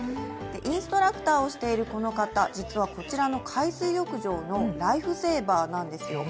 インストラクターをしているこの方、実はこちらの海水浴場のライフセーバーなんです。